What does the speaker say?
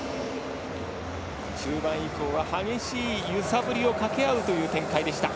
中盤以降は激しい揺さぶりをかけあうという展開でした。